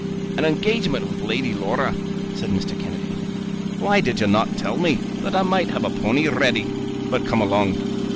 "An engagement with Lady Laura," said Mr. Kennedy. "Why did you not tell me, that I might have a pony ready? But come along.